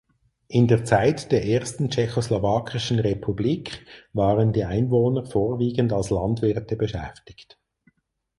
In der Zeit der ersten tschechoslowakischen Republik waren die Einwohner vorwiegend als Landwirte beschäftigt.